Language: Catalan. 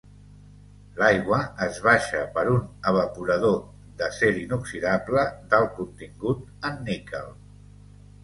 L'aigua es baixa per un evaporador d'acer inoxidable d'alt contingut en níquel.